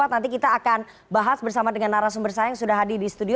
nanti kita akan bahas bersama dengan narasumber saya yang sudah hadir di studio